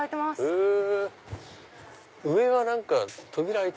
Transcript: へぇ。